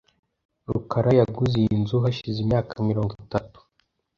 rukara yaguze iyi nzu hashize imyaka mirongo itatu .